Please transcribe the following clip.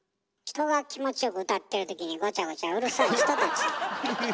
人が気持ちよく歌ってる時にごちゃごちゃうるさい人たち。